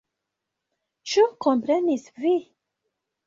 Ĉu komprenis vi?